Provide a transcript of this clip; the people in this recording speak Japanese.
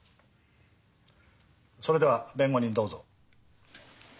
それでは弁護人どうぞ。